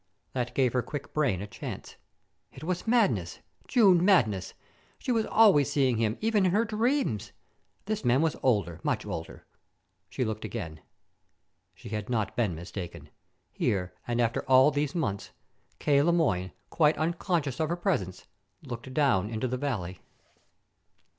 That gave her quick brain a chance. It was madness, June madness. She was always seeing him even in her dreams. This man was older, much older. She looked again. She had not been mistaken. Here, and after all these months! K. Le Moyne, quite unconscious of her presence, looked down into the valley.